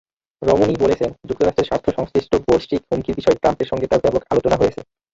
Romney বলেছেন, যুক্তরাষ্ট্রের স্বার্থ-সংশ্লিষ্ট বৈশ্বিক হুমকির বিষয়ে ট্রাম্পের সঙ্গে তাঁর ব্যাপক আলোচনা হয়েছে।